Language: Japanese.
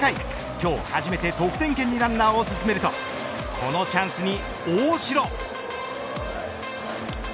今日初めて得点圏にランナーを進めるとこのチャンスに大城。